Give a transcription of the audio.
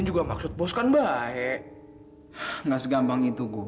juga maksud bos kan baek gak segampang itu go